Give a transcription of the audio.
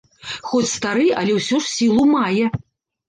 Хоць стары, але ўсё ж сілу мае.